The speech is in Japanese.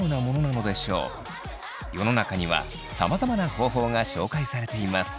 世の中にはさまざまな方法が紹介されています。